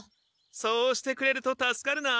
そうしてくれると助かるな。